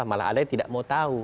malah ada yang tidak mau tahu